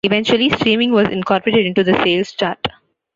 Eventually, streaming was incorporated into the sales chart.